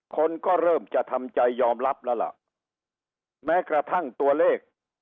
คนก็เริ่มจะทำใจยอมรับแล้วล่ะแม้กระทั่งตัวเลข